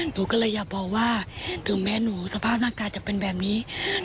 หนูก็เลยอยากบอกว่าเดี๋ยวแม่หนูสภาพร่างกายจะเป็นแบบนี้